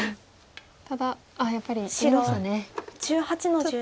ただああやっぱり入れましたね。